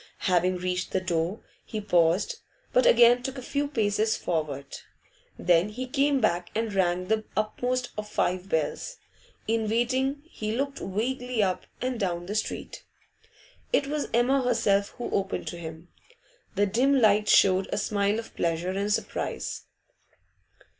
Having reached the door, he paused, but again took a few paces forward. Then he came back and rang the uppermost of five bells. In waiting, he looked vaguely up and down the street. It was Emma herself who opened to him. The dim light showed a smile of pleasure and surprise.